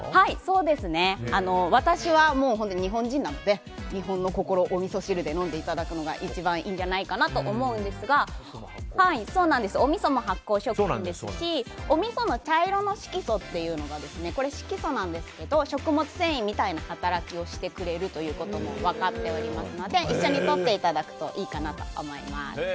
私は日本人なので日本の心おみそ汁で飲んでいただくのが一番いいと思いますがおみそも発酵食品ですしおみその茶色の色素というのが色素なんですが食物繊維みたいな働きをしてくれるということも分かっておりますので一緒にとっていただくといいかなと思います。